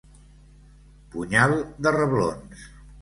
Punyal de reblons.